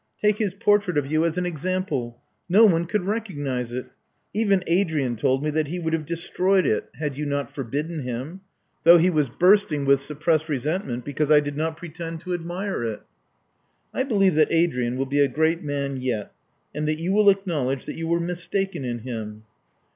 Take his portrait of you as an example! No one could recognize it. Even Adrian told me that he would have destroyed it, had you not forbidden him ; though he was bursting with suppressed resentment because I did not pretend to admire it." I believe that Adrian will be a great man yet, and that you will acknowledge that you were mistaken in him."